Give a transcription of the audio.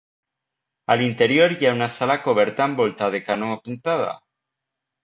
A l'interior hi ha una sala coberta amb volta de canó apuntada.